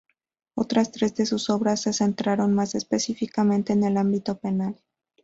Otras tres de sus obras se centraron más específicamente en el ámbito penal.